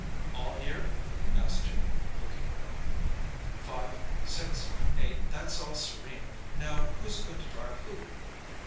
"All here?" asked Jim, looking round. "Five, six, eight—that's all serene. Now who's going to drive who?"